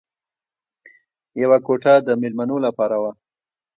یوه کوټه د مېلمنو لپاره وه